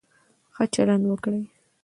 ښه چلند وکړئ.